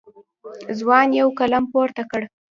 ځوان یو قلم پورته کړ.